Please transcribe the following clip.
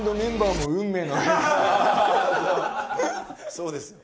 そうです。